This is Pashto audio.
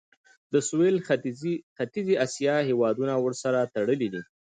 د سویل ختیځې اسیا هیوادونه ورسره تړلي دي.